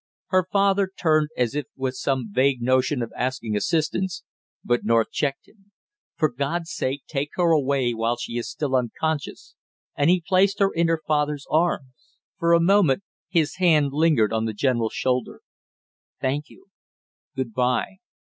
Her father turned as if with some vague notion of asking assistance, but North checked him. "For God's sake take her away while she is still unconscious!" and he placed her in her father's arms. For a moment his hand lingered on the general's shoulder. "Thank you good by!"